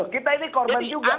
kita ini korban juga